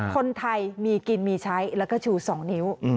คนไทยมีกินมีใช้แล้วก็ชู๒นิ้ว